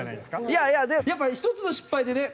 いやいやでもやっぱり１つの失敗でね